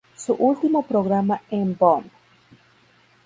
Su último programa en "¡Boom!